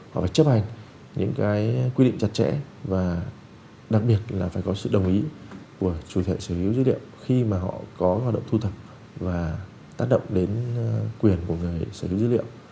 họ phải chấp hành những quy định chặt chẽ và đặc biệt là phải có sự đồng ý của chủ thể xử lý dữ liệu khi mà họ có hoạt động thu thập và tác động đến quyền của người xử lý dữ liệu